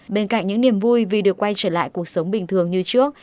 bên cạnh những niềm vui vì được quay trở lại cuộc sống bình thường như trước